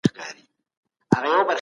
نوروز راسي زېری نه وي پر وزر د توتکیو